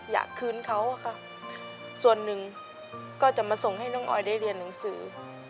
อยากคืนเขาอะค่ะส่วนหนึ่งก็จะมาส่งให้น้องออยได้เรียนหนังสือ